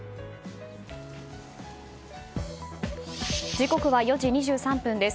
時刻は４時２３分です。